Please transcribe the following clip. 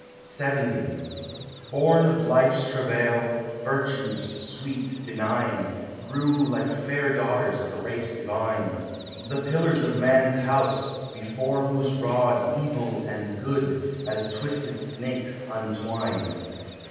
LXX Born of life's travail, Virtues, sweet, benign, Grew like fair daughters of a race divine— The pillars of Man's house, before whose rod Evil and Good, as twisted snakes, untwine.